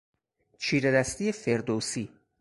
چیرهدستی فردوسی